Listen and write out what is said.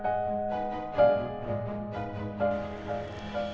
memikirkan kepentingan kamu sendiri